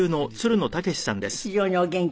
非常にお元気？